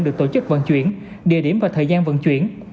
được tổ chức vận chuyển địa điểm và thời gian vận chuyển